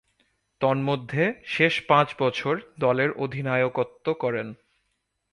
তন্মধ্যে, শেষ পাঁচ বছর দলের অধিনায়কত্ব করেন।